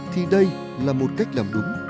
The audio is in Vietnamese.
thì đây là một cách làm đúng